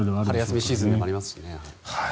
春休みシーズンでもありますしね。